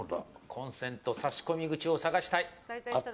コンセント挿し込み口を探したい。